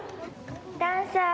ダンサー？